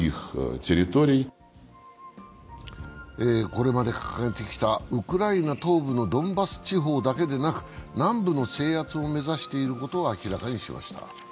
これまで掲げてきたウクライナ東部のドンバス地方だけでなく南部の制圧も目指していることを明らかにしました。